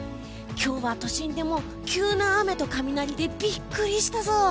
今日は都心でも急な雨と雷でビックリしたぞ。